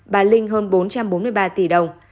bà linh hơn bốn trăm bốn mươi ba tỷ đồng